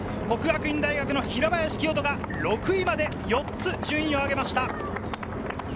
國學院大學の平林清澄が６位まで４つ順位を上げました。